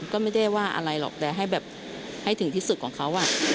ก็ไม่ได้ว่าอะไรหรอกแต่ให้แบบให้ถึงที่สุดของเขา